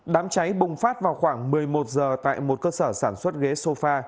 đám cháy bùng phát vào khoảng một mươi một giờ tại một cơ sở sản xuất ghế sofa